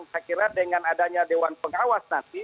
saya kira dengan adanya dewan pengawas nanti